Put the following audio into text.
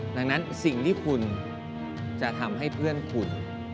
ดังนั้นสิ่งที่คุณจะทำให้เพื่อนคุณ